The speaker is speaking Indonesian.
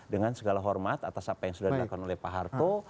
dengan segala hormat atas apa yang sudah dilakukan oleh pak harto